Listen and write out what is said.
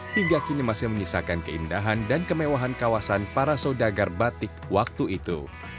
hingga kini masih menyisakan keindahan dan kemewahan kawasan para saudagar batik waktu itu